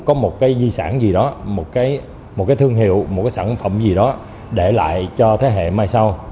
có một cái di sản gì đó một cái thương hiệu một cái sản phẩm gì đó để lại cho thế hệ mai sau